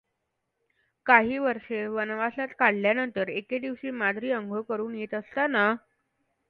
काही वर्षे वनवासात काढल्यानंतर एकदिवशी माद्रि अंघोळ करून येत असताना.